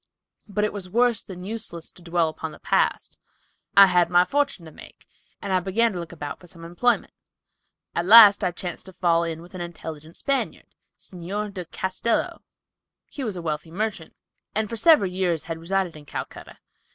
But it was worse than useless to dwell upon the past. I had my fortune to make, and I began to look about for some employment. At last I chanced to fall in with an intelligent Spaniard, Signor de Castello. He was a wealthy merchant, and for several years had resided in Calcutta.